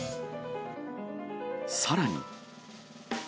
さらに。